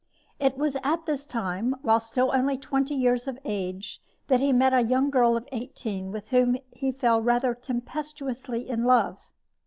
It was at this time, while still only twenty years of age, that he met a young girl of eighteen with whom he fell rather tempestuously in love.